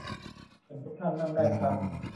เชิญทุกท่านนั่งได้ครับ